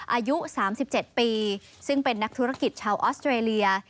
อายุ๓๗ปีซึ่งเป็นนักธุรกิจชาวออสเตรเลีย